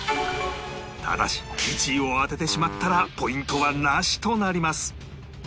ただし１位を当ててしまったらポイントはなしとなります